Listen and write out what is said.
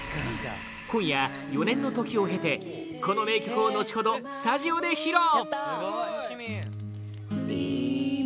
今夜、４年の時を経てこの名曲を後ほどスタジオで披露！